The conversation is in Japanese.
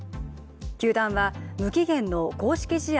球団は、無期限の公式試合